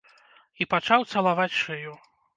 І пачаў цалаваць шыю.